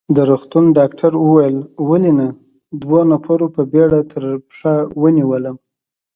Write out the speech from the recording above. د روغتون ډاکټر وویل: ولې نه، دوو نفرو په بېړه تر پښه ونیولم.